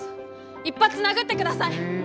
一発殴ってください。